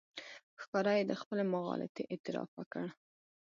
ښکاره یې د خپلې مغالطې اعتراف وکړ.